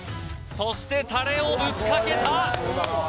そしてタレをぶっかけた